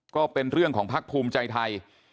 ก็เป็นเรื่องของภักดิ์ภูมิใจไทย